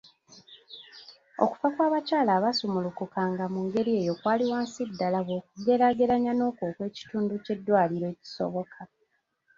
Okufa kw’abakyala abaasumulukukanga mu ngeri eyo kwali wansi ddala bw’okugeraageranya n’okwo okw’ekitundu ky’eddwaliro ekisoboka.